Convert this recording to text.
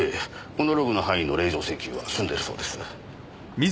このログの範囲の令状請求は済んでるそうです。